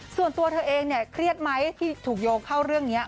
ส่วนตัวเธอเองเนี่ยเครียดไหมที่ถูกโยงเข้าเรื่องนี้